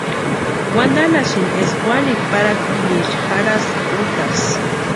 Wantanhasïnti eska wanikwa parhakpiniecha jarhaska útasï.